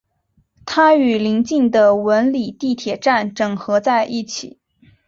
它与临近的文礼地铁站整合在一起。